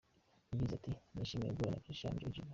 Yagize ati “Nishimiye guhura na Kristalina Georgieva.